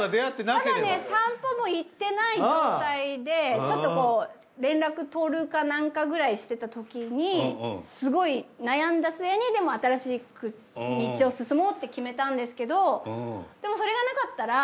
まだね散歩も行ってない状態でちょっと連絡取るかなんかくらいしてたときにすごい悩んだ末にでも新しく道を進もうって決めたんですけどでもそれがなかったら。